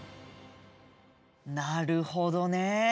なるほどね。